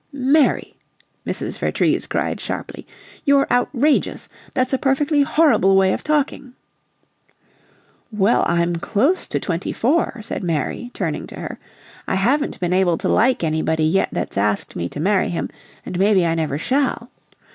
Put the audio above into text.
"Mary!" Mrs. Vertrees cried, sharply. "You're outrageous! That's a perfectly horrible way of talking!" "Well, I'm close to twenty four," said Mary, turning to her. "I haven't been able to like anybody yet that's asked me to marry him, and maybe I never shall.